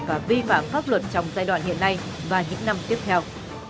và vi phạm pháp luật trong giai đoạn hiện nay và những năm tiếp theo